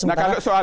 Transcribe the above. nah kalau soal